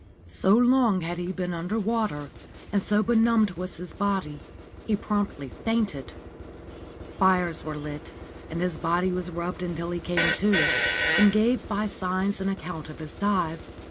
So long had he been under water, and so benumbed was his body, he promptly fainted. Fires were lit, and his body was rubbed until he came to, and gave by signs an account of his dive.